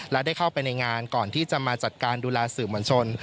และได้เข้าไปในงานก่อนที่จะมาจัดการดูแลสื่อมวลชน